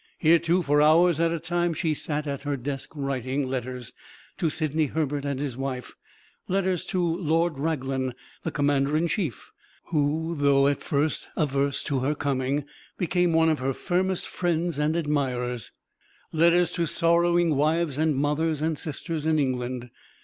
Here, too, for hours at a time, she sat at her desk, writing; letters to Sidney Herbert and his wife; letters to Lord Raglan, the commander in chief, who, though at first averse to her coming, became one of her firmest friends and admirers; letters to sorrowing wives and mothers and sisters in England.